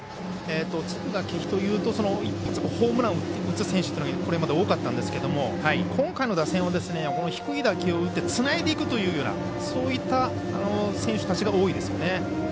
敦賀気比というとホームランを打つ選手というのが多かったんですけれども今回の打線は低い打球を打ってつないでいくというようなそういった選手たちが多いですね。